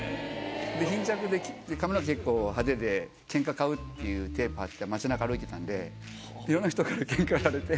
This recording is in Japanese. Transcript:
貧弱で髪の毛結構派手で「ケンカ買う」っていうテープ貼って町中歩いてたんでいろんな人からケンカ売られて。